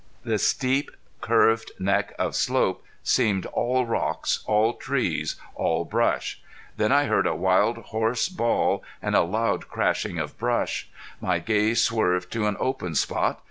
The steep curved neck of slope seemed all rocks, all trees, all brush. Then I heard a wild hoarse bawl and a loud crashing of brush. My gaze swerved to an open spot.